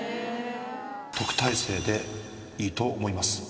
特待生でいいと思います。